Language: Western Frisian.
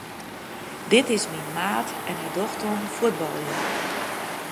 Dit is myn maat en hy docht oan fuotbaljen.